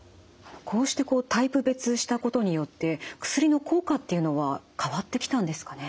こうしてタイプ別したことによって薬の効果っていうのは変わってきたんですかね？